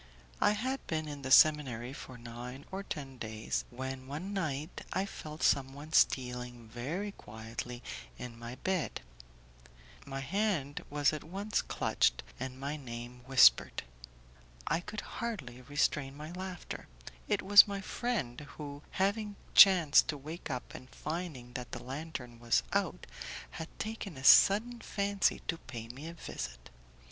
I had been in the seminary for nine or ten days, when one night I felt someone stealing very quietly in my bed; my hand was at once clutched, and my name whispered. I could hardly restrain my laughter. It was my friend, who, having chanced to wake up and finding that the lantern was out, had taken a sudden fancy to pay me a visit.